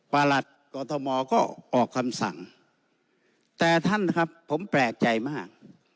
ประหลัดกรทมก็ออกคำสั่งแต่ท่านนะครับผมแปลกใจมาก